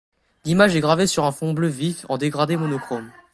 L'image est gravée sur un fond bleu vif, en dégradé monochromes.